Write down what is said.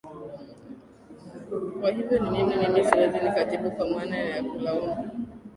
kwa hiyo ni nini mimi siwezi nikajibu kwa maana ya kulaumu